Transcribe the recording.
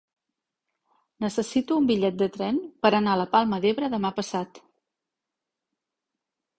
Necessito un bitllet de tren per anar a la Palma d'Ebre demà passat.